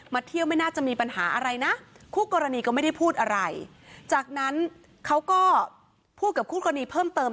เที่ยวไม่น่าจะมีปัญหาอะไรนะคู่กรณีก็ไม่ได้พูดอะไรจากนั้นเขาก็พูดกับคู่กรณีเพิ่มเติม